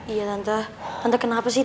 iya tante tante kenapa sih tante